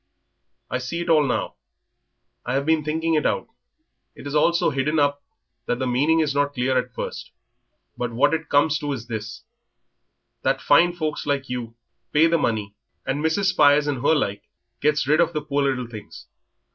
I see it all now; I have been thinking it out. It is all so hidden up that the meaning is not clear at first, but what it comes to is this, that fine folks like you pays the money, and Mrs. Spires and her like gets rid of the poor little things.